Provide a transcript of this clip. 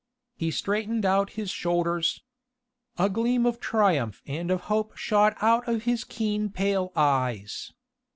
He straightened out his shoulders. A gleam of triumph and of hope shot out of his keen pale eyes.